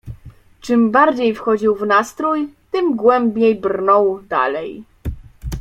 Czym bardziej wchodził w nastrój, tym głębiej brnął dalej.